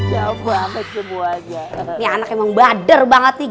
ini anak emang bader banget nih